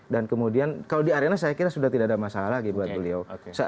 dan kemudian kalau di arena saya kira sudah tidak ada masalah lagi buat beliau